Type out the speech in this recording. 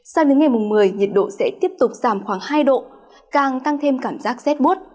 sau đến ngày một mươi nhiệt độ sẽ tiếp tục giảm khoảng hai độ càng tăng thêm cảm giác z bút